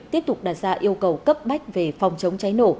tiếp tục đặt ra yêu cầu cấp bách về phòng chống cháy nổ